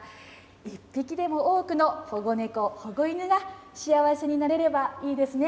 一匹でも多くの保護猫、保護犬が幸せになれればいいですね。